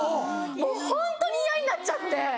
もうホントに嫌になっちゃって！